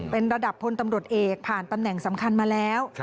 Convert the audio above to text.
เป็นระดับพลตำรวจเอกผ่านตำแหน่งสำคัญมาแล้ว